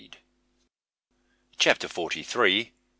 CHAPTER FORTY THREE.